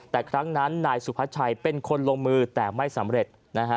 แต่ครั้งนั้นนายสุพัชชัยเป็นคนลงมือแต่ไม่สำเร็จ